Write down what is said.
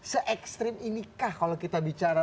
se ekstrim inikah kalau kita bicara